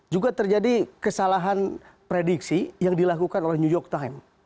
juga terjadi kesalahan prediksi yang dilakukan oleh new york time